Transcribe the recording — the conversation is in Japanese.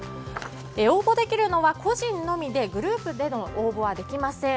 応募できるのは個人のみでグループでの応募はできません。